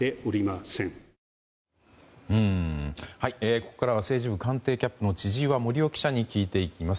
ここからは政治部官邸キャップの千々岩森生記者に聞いていきます。